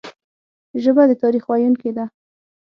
ژبه د تاریخ ویونکي ده